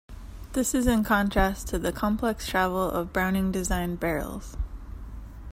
This is in contrast to the complex travel of Browning designed barrels.